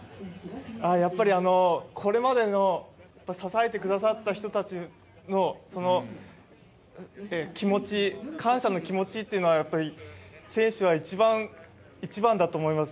やっぱりこれまでの支えてくださった人たちの気持ち感謝の気持ちというのが選手は一番だと思います。